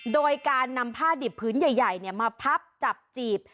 โดยการนำผ้าดิบพื้นใหญ่มาพับจับจีบ